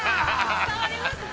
◆伝わります。